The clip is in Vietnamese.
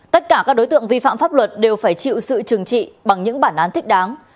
tất cả các đối tượng vi phạm pháp luật đều phải chịu sự trừng trị bằng những bản án thích đáng